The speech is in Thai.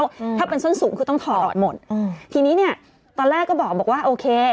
อืมถ้าเป็นส้นสูงคือต้องถอดหมดอืมทีนี้เนี้ยตอนแรกก็บอกว่าโอเค